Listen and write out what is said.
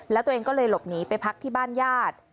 แล้วตัวเองก็เลยหลบหนีไปพักที่บ้านญาติ